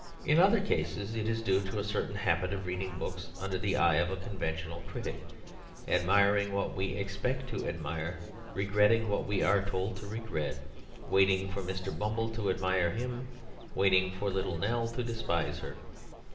In other cases it is due to a certain habit of reading books under the eye of a conventional critic, admiring what we expect to admire, regretting what we are told to regret, waiting for Mr. Bumble to admire him, waiting for Little Nell to despise her.